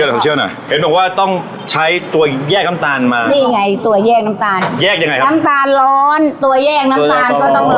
นี่ไงตัวแยกน้ำตาลแยกยังไงครับน้ำตาลร้อนตัวแยกน้ำตาลก็ต้องร้อน